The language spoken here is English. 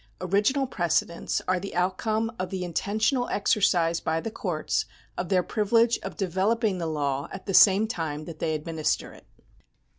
Original precedents are the outcome of the intentional exercise by the courts of their privilege of developing the law at the same time that they administer it.